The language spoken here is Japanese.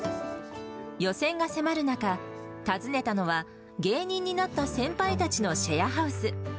予選が迫る中、訪ねたのは、芸人になった先輩たちのシェアハウス。